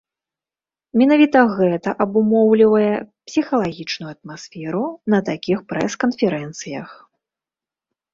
Менавіта гэта абумоўлівае псіхалагічную атмасферу на такіх прэс-канферэнцыях.